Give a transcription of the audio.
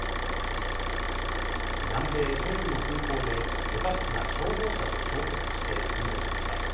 南米ペルーの空港で、旅客機が消防車と衝突して炎上しました。